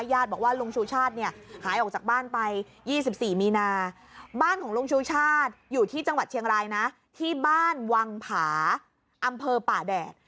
บอกว่าลุงชูชาติเนี่ยหายออกจากบ้านไป๒๔มีนาบ้านของลุงชูชาติอยู่ที่จังหวัดเชียงรายนะที่บ้านวังผาอำเภอป่าแดด